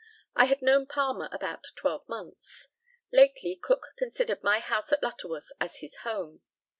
I had known Palmer about twelve months. Lately Cook considered my house at Lutterworth as his home.